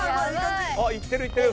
いってるいってる！